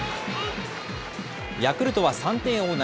ヤクルトは３点を追う